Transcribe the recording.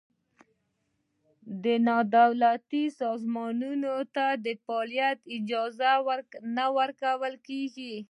نا دولتي سازمانونو ته د فعالیت اجازه نه ورکول کېږي.